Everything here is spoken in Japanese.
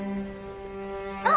あ！